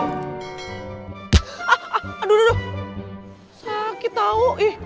aduh aduh aduh sakit tau ih